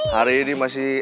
hari ini masih